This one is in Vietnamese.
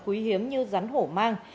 quý hiếm như rắn hổ mang